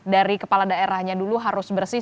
dari kepala daerahnya dulu harus bersih